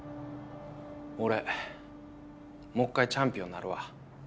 俺もっかいチャンピオンになるわ。